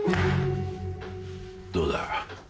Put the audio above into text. どうだ？